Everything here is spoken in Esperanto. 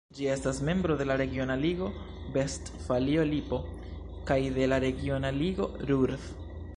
Ĝi estas membro de la regiona ligo Vestfalio-Lipo kaj de la regiona ligo Ruhr.